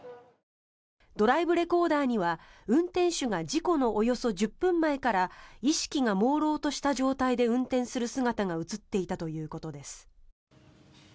ドライブレコーダーには運転手が事故のおよそ１０分前から意識がもうろうとした状態で運転する姿が映っていたということです。